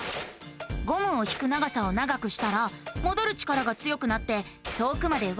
ゴムを引く長さを長くしたらもどる力が強くなって遠くまでうごいたよね。